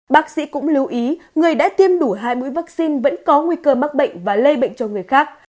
bác sĩ cũng lưu ý người đã tiêm đủ hai mũi vaccine vẫn có nguy cơ mắc bệnh và lây bệnh cho người khác